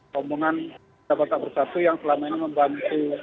kompongan jabatan bersatu yang selama ini membantu